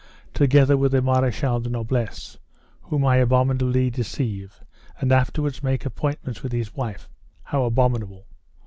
together with the Marechal de Noblesse, whom I abominably deceive, and afterwards make appointments with his wife (how abominable!)